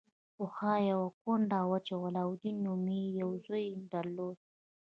پخوا یوه کونډه وه چې علاوالدین نومې یو زوی یې درلود.